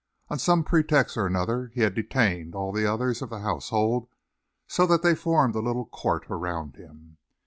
On some pretext or another he had detained all the others of the household so that they formed a little court around him.